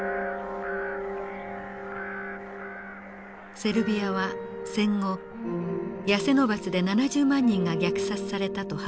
セルビアは戦後ヤセノバツで７０万人が虐殺されたと発表。